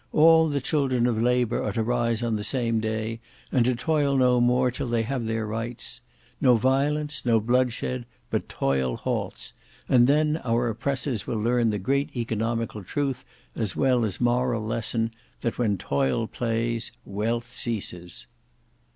All the children of Labour are to rise on the same day, and to toil no more, till they have their rights. No violence, no bloodshed, but toil halts, and then our oppressors will learn the great economical truth as well as moral lesson, that when Toil plays Wealth ceases."